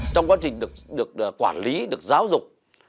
trong quá trình được quản lý được giáo dục